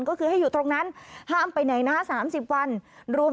ก็คือให้อยู่ตรงนั้นห้ามไปไหนนะ๓๐วันรวม